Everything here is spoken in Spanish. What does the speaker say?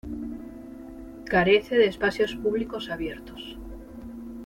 Carece de espacios públicos abiertos.